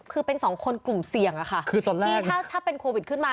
คือเป็นสองคนกลุ่มเสี่ยงอะค่ะคือตอนแรกที่ถ้าเป็นโควิดขึ้นมา